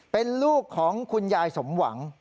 เป็นลูกของคุณยายสมหวัง